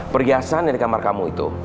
perhiasan yang di kamar kamu itu